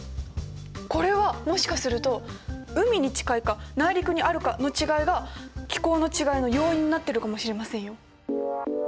これはもしかすると海に近いか内陸にあるかの違いが気候の違いの要因になってるかもしれませんよ。